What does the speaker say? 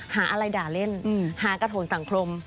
หาอะไรด่าเล่นหากระโถนสังคม